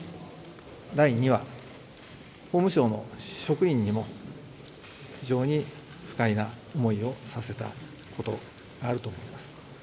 第２は、法務省の職員にも非常に不快な思いをさせたことがあると思います。